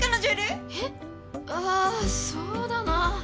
えっあそうだな。